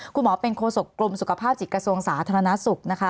คุณหมอเป็นโคศกกรมสุขภาพจิตกระทรวงสาธารณสุขนะคะ